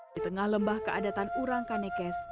di tengah lembah keadatan orang kanekes